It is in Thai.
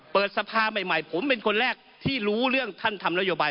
เปิดสภาใหม่ผมเป็นคนแรกที่รู้เรื่องท่านทำนโยบาย